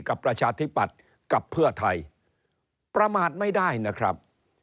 ประชาธิปัตย์กับเพื่อไทยประมาทไม่ได้นะครับ